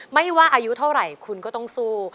ไม่ว่าอายุเท่าไหร่คุณก็ต้องสู้